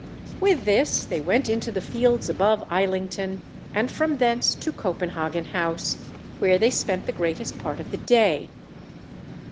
With this they went into the fields above Islington, and from thence to Copenhagen House, where they spent the greatest part of the day.